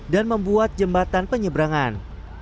dan membuat jembatan penyebrangan